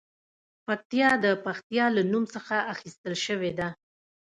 پکتیا د پښتیا له نوم څخه اخیستل شوې ده